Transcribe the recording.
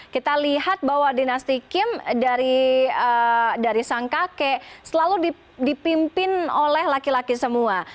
kita lihat bahwa dinasti kim dari sang kakek selalu dipimpin oleh laki laki semua